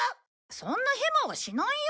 そんなへまはしないよ！